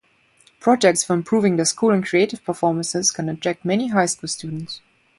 Projects for improving the school and creative performances can attract many high school students.